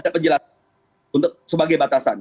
ada penjelasan untuk sebagai batasan